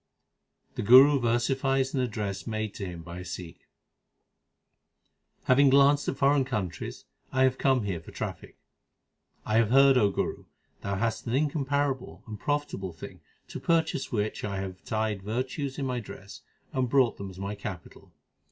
The Guru versifies an address made to him by a Sikh : Having glanced at foreign countries I have come here for traffic. I have heard, O Guru, thou hast an incomparable and profitable thing, 2 To purchase which I have tied virtues in my dress 3 and brought them as my capital.